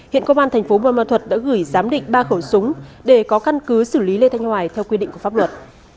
hiện công an tp hcm đã gửi giám định ba khẩu súng để có căn cứ xử lý lê thanh hoài theo quy định của pháp luật